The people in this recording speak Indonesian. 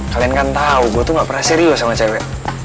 kalian kan tahu gue tuh gak pernah serius sama cewek